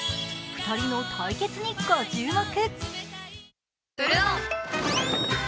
２人の対決にご注目。